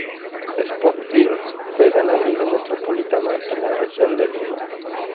Sport Girls juega en la liga Metropolitana, en la región de Lima.